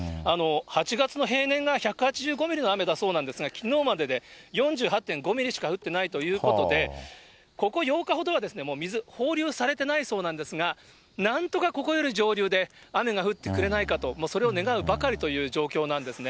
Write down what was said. ８月の平年が１８５ミリの雨だそうなんですが、きのうまでで４８．５ミリしか降ってないということで、ここ８日ほどは水、放流されてないそうなんですが、なんとかここより上流で雨が降ってくれないかと、それを願うばかりという状況なんですね。